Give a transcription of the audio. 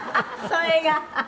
それが」